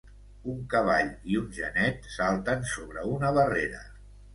Un cavall i un genet salten sobre una barrera.